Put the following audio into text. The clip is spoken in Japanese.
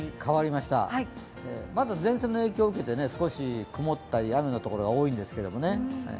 まだ前線の影響を受けて少し曇ったり雨の所が多いんですけれどもね。